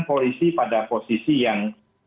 polisi pada posisi yang